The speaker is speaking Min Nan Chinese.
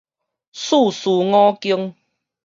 四書五經